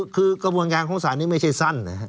คือกระบวนงานของสารนี้ไม่ใช่สั้น